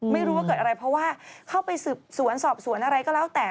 ไม่รู้ว่าเกิดอะไรเพราะว่าเข้าไปสืบสวนสอบสวนอะไรก็แล้วแต่